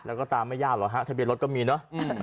แล้วก็ตามไม่ยากหรอกฮะทะเบียนรถก็มีเนอะ